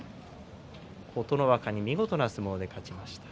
琴ノ若に見事な相撲で勝ちました。